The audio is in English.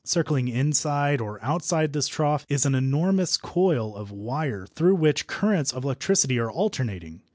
Circling inside or outside this trough is an enormous coil of wire through which currents of electricity are alternating.